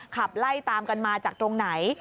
ขับไล่ตามกันมาจากตรงไหน